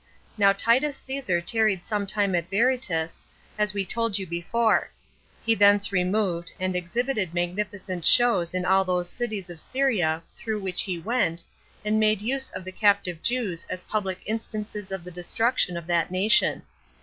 Now Titus Caesar tarried some time at Berytus, as we told you before. He thence removed, and exhibited magnificent shows in all those cities of Syria through which he went, and made use of the captive Jews as public instances of the destruction of that nation.